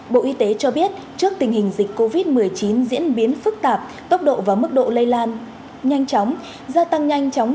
bộ y tế cho biết trước tình hình dịch covid một mươi chín diễn biến phức tạp tốc độ và mức độ lây lan nhanh chóng gia tăng nhanh chóng